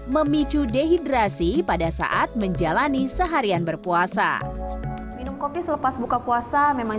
memicu dehidrasi pada saat menjalani seharian berpuasa minum koki selepas buka puasa memang